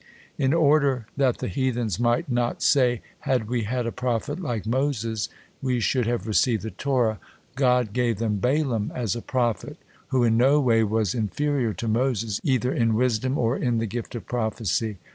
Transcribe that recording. In order that the heathens might not say, "Had we had a prophet like Moses, we should have received the Torah," God gave them Balaam as a prophet, who in no way was inferior to Moses either in wisdom or in the gift of prophecy.